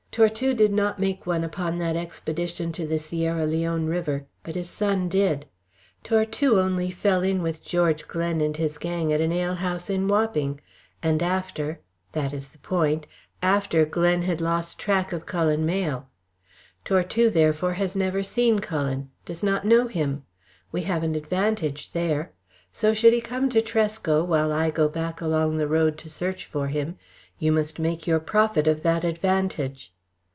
Tortue did not make one upon that expedition to the Sierra Leone River, but his son did. Tortue only fell in with George Glen and his gang at an ale house in Wapping, and after that is the point after Glen had lost track of Cullen Mayle. Tortue, therefore, has never seen Cullen, does not know him. We have an advantage there. So should he come to Tresco, while I go back along the road to search for him, you must make your profit of that advantage."